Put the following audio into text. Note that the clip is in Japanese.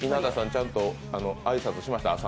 ちゃんと朝の挨拶しました？